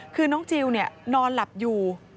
คือน้องจิลนอนหลับอยู่